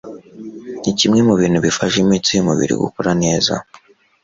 ni kimwe mu bintu bifasha imitsi y'umubiri gukora neza.